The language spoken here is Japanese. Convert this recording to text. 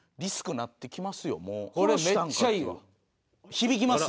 響きます？